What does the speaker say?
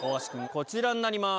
こちらになります。